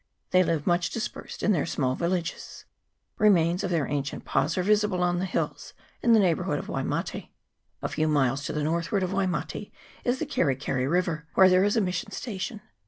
They live much dispersed in their small villages. Remains of their ancient pas are visible on the hills in the neighbourhood of Waimate. A few miles to the northward of Waimate is the Keri keri river, where there is a mission station.